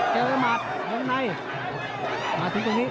เจอหมัดวงในมาถึงตรงนี้